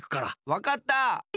わかった！